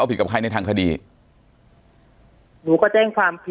ปากกับภาคภูมิ